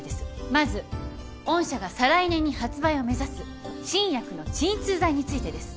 まず御社が再来年に発売を目指す新薬の鎮痛剤についてです。